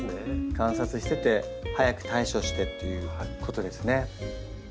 観察してて早く対処してっていうことですね。